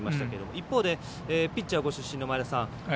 一方で、ピッチャーご出身の前田さん